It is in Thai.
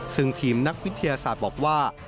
ซึ่งทีมนักวิทยาศาสตร์บอกว่า